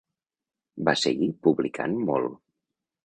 Va seguir publicant molt.